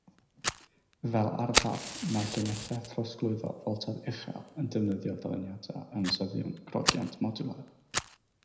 Fel arfer, mae llinellau trosglwyddo foltedd uchel yn defnyddio dyluniadau ynysyddion crogiant modwlaidd.